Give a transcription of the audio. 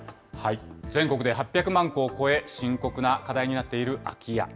全国で８００万戸を超え、深刻な課題になっている空き家。